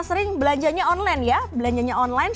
semoga akhirnya nya langsung di atas daya pengguna